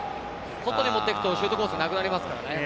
外に持っていくとシュートコースなくなりますからね。